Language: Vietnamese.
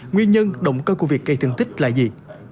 nguyên nhân động cơ của việc gây thương tích là gì